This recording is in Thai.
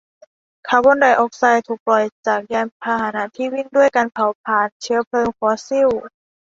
คาร์บอนไดออกไซด์ถูกปล่อยจากยานพาหนะที่วิ่งด้วยการเผาพลาญเชื้อเพลิงฟอสซิล